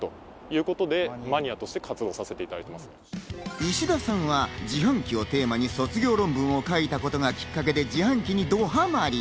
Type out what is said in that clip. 石田さんは自販機をテーマに卒業論文を書いたことがきっかけで自販機に、どハマり。